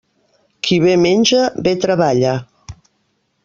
Qui bé menja, bé treballa.